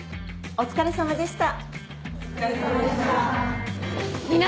お疲れさまでした。